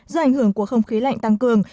do ảnh hưởng của không khí lạnh tăng cường